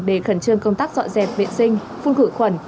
để khẩn trương công tác dọn dẹp vệ sinh phun khử khuẩn